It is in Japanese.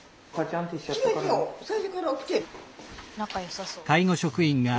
仲よさそう。